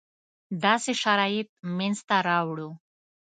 داسې شرایط منځته راوړو.